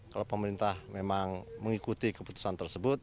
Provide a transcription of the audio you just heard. kalau pemerintah memang mengikuti keputusan tersebut